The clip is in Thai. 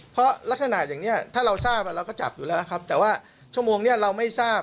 เพราะลักษณะอย่างนี้ถ้าเราทราบเราก็จับอยู่แล้วครับแต่ว่าชั่วโมงนี้เราไม่ทราบ